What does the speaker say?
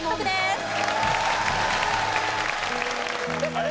あれ？